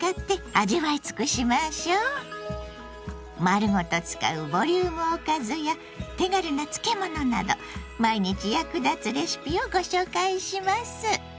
丸ごと使うボリュームおかずや手軽な漬物など毎日役立つレシピをご紹介します！